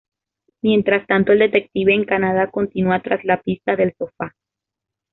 Mientras tanto, el detective, en Canadá, continúa tras la pista del sofá.